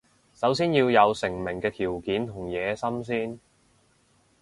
首先要有成名嘅條件同野心先